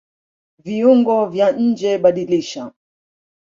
Viungo vya njeBadilisha